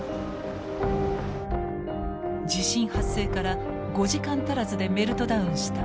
地震発生から５時間足らずでメルトダウンした１号機。